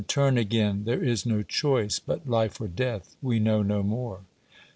turn again—there is no choice But Life or Death—we know no more.